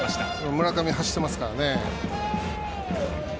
村上、走ってますからね。